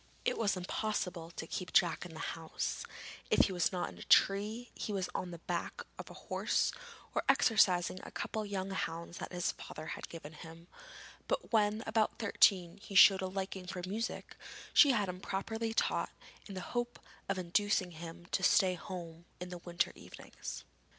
It was impossible to keep Jack in the house; if he was not in a tree, he was on the back of a horse or exercising a couple of young hounds that his father had given him; but when, about thirteen, he showed a liking for music, she had him properly taught, in the hope of inducing him to stay at home in the winter evenings.